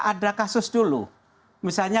ada kasus dulu misalnya